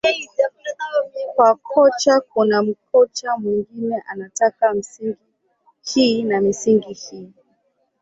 kwa kocha kuna mkocha mwengine anataka misingi hii na misingi hii